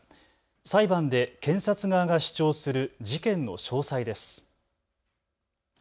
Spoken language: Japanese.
裁判で検察側が主張する事件の詳細です。